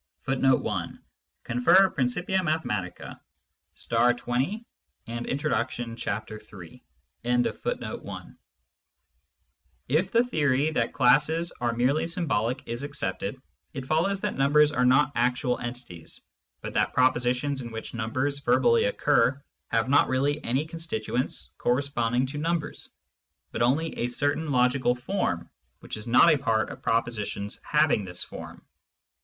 ^^ Cf. Principia Mathematical § 20, and Introduction, chapter iii. Digitized by Google 2o8 SCIENTIFIC METHOD IN PHILOSOPHY If the theory that classes are merely symbolic is accepted, it follows that numbers are not actual entities, but that propositions in which numbers verbally occur have not really any constituents corresponding to numbers, but only a certain logical form which is not a part of pro positions having this form.